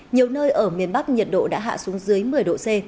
nhiều nơi ở miền bắc nhiệt độ đã hạ xuống dưới một mươi độ c